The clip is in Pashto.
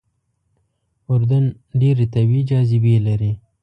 اردن ډېرې طبیعي جاذبې لري.